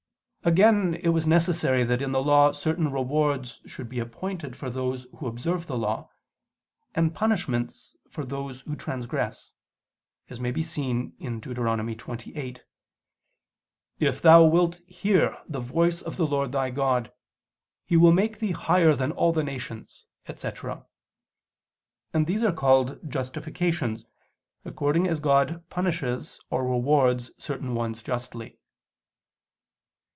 Again it was necessary that in the Law certain rewards should be appointed for those who observe the Law, and punishments for those who transgress; as it may be seen in Deut. 28: "If thou wilt hear the voice of the Lord thy God ... He will make thee higher than all the nations," etc.: and these are called "justifications," according as God punishes or rewards certain ones justly.